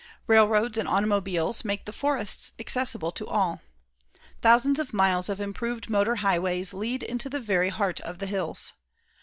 Railroads and automobiles make the forests accessible to all. Thousands of miles of improved motor highways lead into the very heart of the hills.